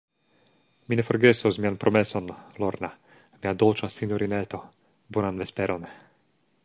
Mi ne forgesos mian promeson, Lorna, mia dolĉa sinjorineto; bonan vesperon.